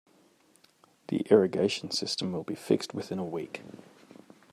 The irrigation system will be fixed within a week.